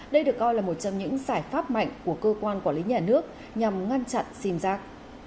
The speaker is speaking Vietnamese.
đây được coi là một trong những giải pháp mạnh của cơ quan quản lý nhà nước nhằm ngăn chặn sim giác